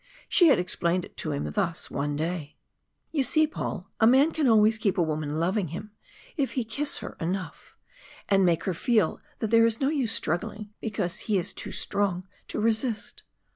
She had explained it to him thus one day: "You see, Paul, a man can always keep a woman loving him if he kiss her enough, and make her feel that there is no use struggling because he is too strong to resist.